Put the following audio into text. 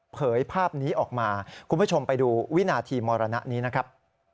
เผยภาพนี้ออกมาคุณผู้ชมไปดูวินาทีมรณะนี้นะครับ